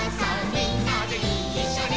みんなでいっしょに」